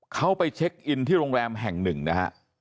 เขาไปเช็คอินที่โรงแรมแห่งหนึ่งนะฮะ